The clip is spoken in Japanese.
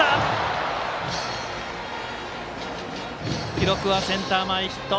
記録はセンター前ヒット。